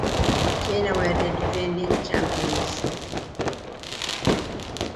China were the defending champions.